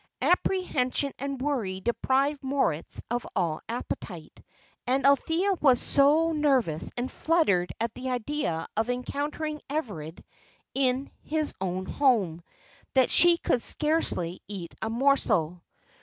Apprehension and worry deprived Moritz of all appetite, and Althea was so nervous and fluttered at the idea of encountering Everard in his own home, that she could scarcely eat a morsel.